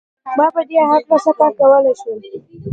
ما په دې هکله څه کار کولای شول